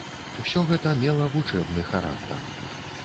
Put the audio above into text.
Усё гэта мела вучэбны характар.